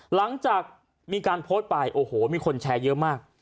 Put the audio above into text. หลังจากมีการโพสต์ไปโอ้โหมีคนแชร์เยอะมาก